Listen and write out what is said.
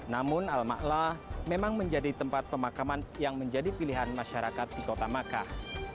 namun al ma'la memang menjadi tempat pemakaman yang menjadi pilihan masyarakat di kota makkah